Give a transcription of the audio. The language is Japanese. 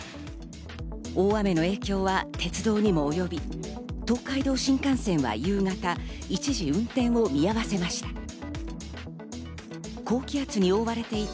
大雨の影響は鉄道にも及び、東海道新幹線は夕方、一時、運転を見合わせました。